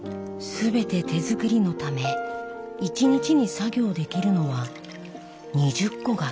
全て手作りのため１日に作業できるのは２０個が限界だ。